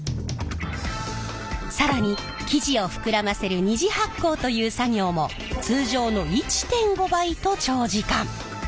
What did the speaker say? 更に生地を膨らませる二次発酵という作業も通常の１．５倍と長時間。